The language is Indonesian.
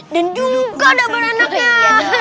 dan juga double anaknya